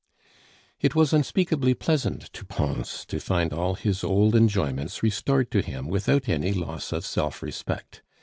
It was unspeakably pleasant to Pons to find all his old enjoyments restored to him without any loss of self respect.